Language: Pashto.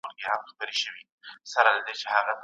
که علم وي نو راتلونکی نه خرابیږي.